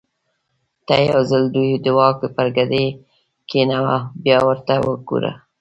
ته یو ځل دوی د واک پر ګدۍ کېنوه بیا ورته وګوره.